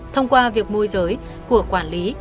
thông qua việc môi giới của quản lý